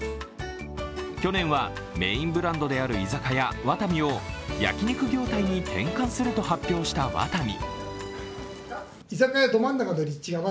去年は、メインブランドである居酒屋、和民を焼き肉業態に転換すると発表したワタミ。